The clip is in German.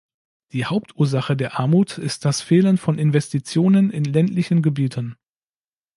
Die Hauptursache der Armut ist das Fehlen von Investitionen in ländlichen Gebieten.